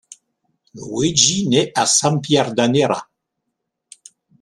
Luigi naît à Sampierdarena.